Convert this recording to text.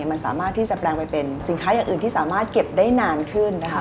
มันสามารถที่จะแปลงไปเป็นสินค้าอย่างอื่นที่สามารถเก็บได้นานขึ้นนะคะ